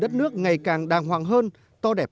đất nước ngày càng đàng hoàng hơn to đẹp